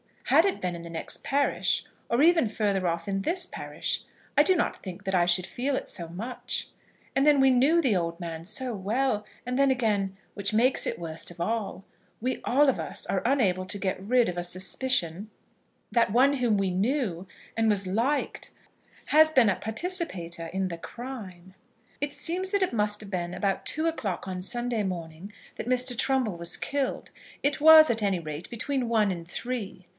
Had it been in the next parish, or even further off in this parish, I do not think that I should feel it so much, and then we knew the old man so well; and then, again, which makes it worst of all, we all of us are unable to get rid of a suspicion that one whom we knew, and was liked, has been a participator in the crime. It seems that it must have been about two o'clock on Sunday morning that Mr. Trumbull was killed. It was, at any rate, between one and three.